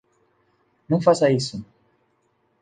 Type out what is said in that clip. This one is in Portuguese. Não faça isso!